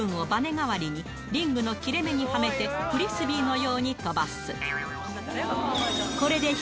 代わりに、リングの切れ目にはめて、フリスビーのように飛ばす。